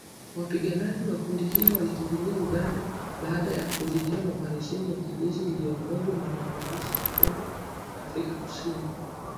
Wapiganaji wa kundi hilo walikimbilia Uganda baada ya kuzidiwa na oparesheni ya kijeshi iliyoongozwa na wanajeshi wa Kongo na Afrika kusini